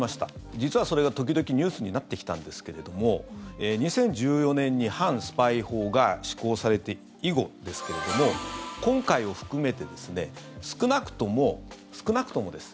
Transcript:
実はそれ、時々ニュースになってきたんですけれども２０１４年に反スパイ法が施行されて以後ですけれども今回を含めて少なくとも少なくともです。